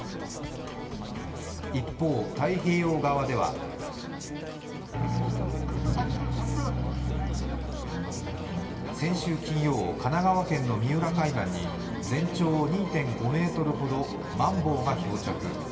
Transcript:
一方、太平洋側では先週金曜、神奈川県の三浦海岸に全長２．５ｍほどのマンボウが漂着。